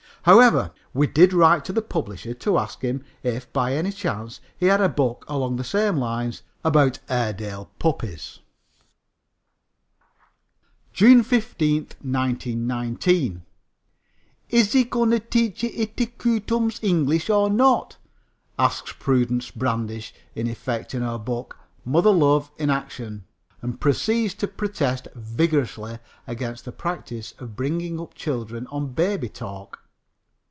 However, we did write to the publisher to ask him if by any chance he had a book along the same lines about Airedale puppies. JUNE 5, 1919. "Izzie gonna teachie itty cutums English or not?" asks Prudence Brandish in effect in her book Mother Love in Action, and proceeds to protest vigorously against the practice of bringing up children on baby talk.